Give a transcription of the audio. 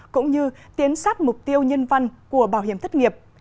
cũng như tiến sát mục tiêu nhân văn của bảo hiểm thất nghiệp